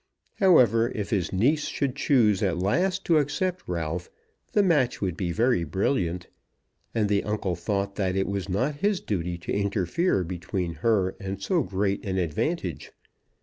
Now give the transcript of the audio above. However, if his niece should choose at last to accept Ralph, the match would be very brilliant; and the uncle thought that it was not his duty to interfere between her and so great an advantage.